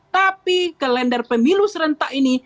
tapi ke lender pemilu serentak ini